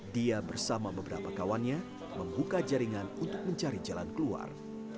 dia bersama beberapa kawannya membuka jaringan untuk mencari jalan keluar